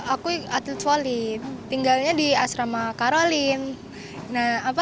aku atlet voli tinggalnya di asrama karolin